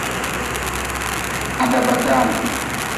Ha daba daan.